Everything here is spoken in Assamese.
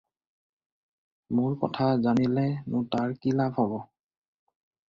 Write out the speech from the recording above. মোৰ কথা জানিলে নো তোৰ কি লাভ হ'ব?